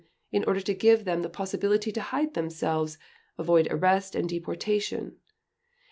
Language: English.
. in order to give them the possibility to hide themselves, avoid arrest and deportation